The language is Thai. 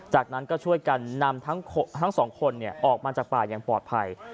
จากนั้นก็ช่วยกันนำทั้งสองคนออกมาจากป่าอย่างปลอดภัย